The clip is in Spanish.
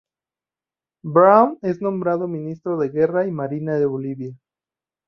Braun es nombrado ministro de Guerra y Marina de Bolivia.